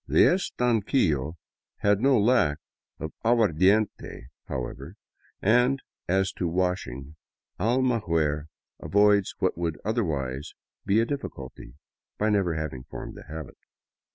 The estanquillo had no lack of aguardiente, how ever, and as to washing, Almaguer avoids what would otherwise be a difficulty by never having formed the habit.